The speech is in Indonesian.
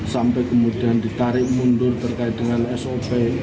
sampai kemudian ditarik mundur terkait dengan sop